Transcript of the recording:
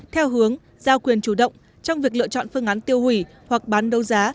theo hướng giao quyền chủ động trong việc lựa chọn phương án tiêu hủy hoặc bán đấu giá